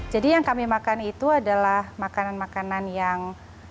jadi yang kami makan itu adalah makanan makanan yang